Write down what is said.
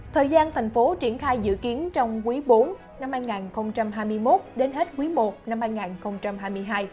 thời gian thành phố triển khai dự kiến trong quý bốn năm hai nghìn hai mươi một đến hết quý i năm hai nghìn hai mươi hai